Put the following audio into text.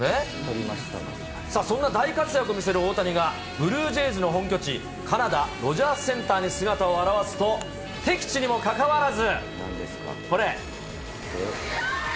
そんな大活躍を見せる大谷が、ブルージェイズの本拠地、カナダ・ロジャースセンターに姿を現すと、敵地にもかかわらず。これ。